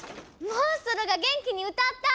モンストロが元気に歌った！